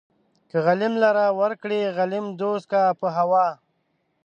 که غليم لره يې ورکړې غليم دوست کا په هوا